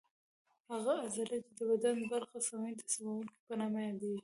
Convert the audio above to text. هغه عضله چې د بدن برخه سموي د سموونکې په نامه یادېږي.